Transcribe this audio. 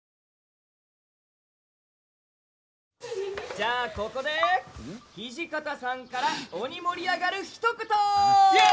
じゃあここで土方さんから鬼盛り上がるひと言！イエイ！